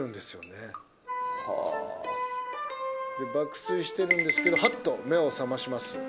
爆睡してるんですけどはっと目を覚まします。